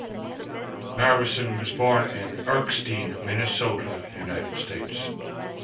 Narveson was born in Erskine, Minnesota, United States.